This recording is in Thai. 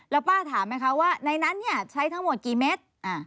แล้วป้าถามไหมคะว่าในนั้นใช้ทั้งหมดกี่เม็ด